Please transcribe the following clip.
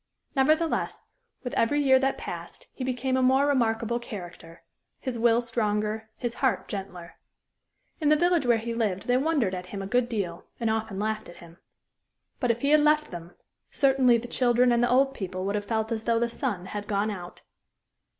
Nevertheless, with every year that passed he became a more remarkable character his will stronger, his heart gentler. In the village where he lived they wondered at him a good deal, and often laughed at him. But if he had left them, certainly the children and the old people would have felt as though the sun had gone out.